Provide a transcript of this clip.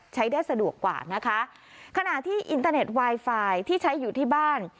ใช้ได้สะดวกกว่านะคะขณะที่อินเทอร์เน็ตไวไฟที่ใช้อยู่ที่บ้าน